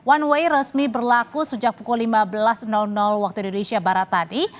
one way resmi berlaku sejak pukul lima belas waktu indonesia barat tadi